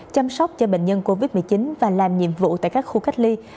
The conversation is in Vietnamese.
chăm sóc cho bệnh nhân covid một mươi chín và làm nhiệm vụ tại các khu cách ly